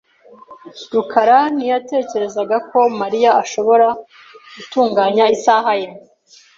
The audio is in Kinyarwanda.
rukara ntiyatekerezaga ko Mariya ashobora gutunganya isaha ye .